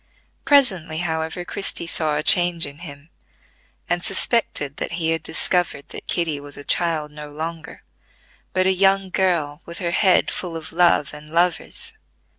Presently, however, Christie saw a change in him, and suspected that he had discovered that Kitty was a child no longer, but a young girl with her head full of love and lovers.